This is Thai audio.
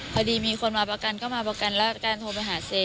พอดีมีคนมาประกันก็มาประกันแล้วการโทรไปหาเซ